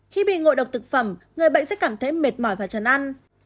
khi bị ngộ độc thực phẩm người bệnh sẽ cảm thấy mệt mỏi và trần ăn